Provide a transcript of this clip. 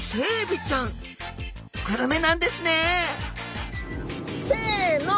グルメなんですねせの！